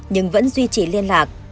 nhưng vẫn duy trì liên lạc